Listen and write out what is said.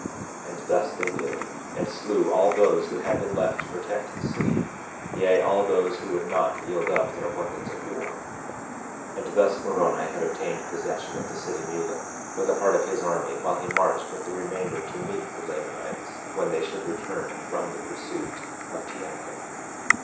52:25 And thus they did, and slew all those who had been left to protect the city, yea, all those who would not yield up their weapons of war. 52:26 And thus Moroni had obtained possession of the city Mulek with a part of his army, while he marched with the remainder to meet the Lamanites when they should return from the pursuit of Teancum.